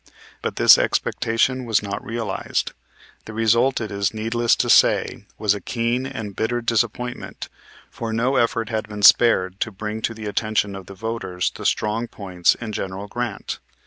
But this expectation was not realized. The result, it is needless to say, was a keen and bitter disappointment, for no effort had been spared to bring to the attention of the voters the strong points in General Grant.